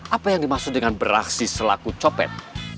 apa yang dimaksud dengan beraksi selaku copet